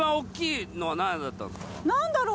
何だろう？